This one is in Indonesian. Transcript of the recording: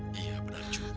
iya benar juga